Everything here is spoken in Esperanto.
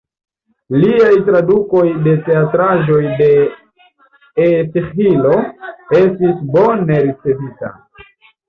Liaj tradukoj de teatraĵoj de Esĥilo estis bone ricevita.